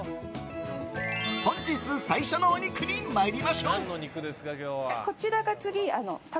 本日最初のお肉に参りましょう！